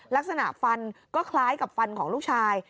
ลักษณะฟันก็คล้ายกับฟันของลูกชาย